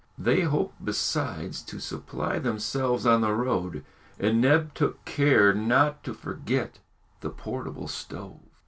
They hoped besides to supply themselves on the road, and Neb took care not to forget the portable stove.